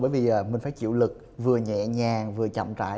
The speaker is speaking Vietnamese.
bởi vì mình phải chịu lực vừa nhẹ nhàng vừa chậm trại